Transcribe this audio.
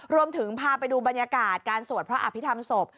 พาไปดูบรรยากาศการสวดพระอภิษฐรรมศพ